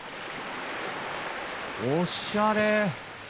おっしゃれ。